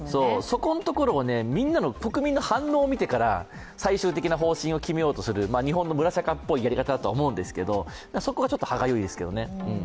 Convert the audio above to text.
そこんところをね、みんなの国民の反応を見てから最終的な方針を決めようとする、日本の村社会っぽいやり方だと思うんですけどそこがちょっと歯がゆいですよね。